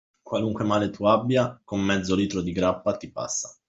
Qualunque male tu abbia, con mezzo litro di grappa, ti passa.